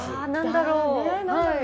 何だろう？